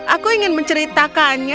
aku ingin menceritakannya